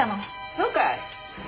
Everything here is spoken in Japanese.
そうかい。